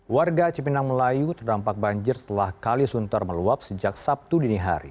warga cipinang melayu terdampak banjir setelah kali sunter meluap sejak sabtu dini hari